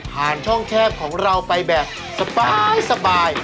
ผ่านช่องแทงของเราไปแบบสบาย